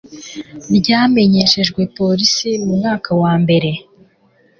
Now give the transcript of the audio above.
ryamenyeshejwe polisi mu mwaka wa mbere